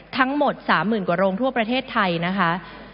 ทั้งหมดสามหมื่นกว่าโรงทั่วประเทศไทยนะคะ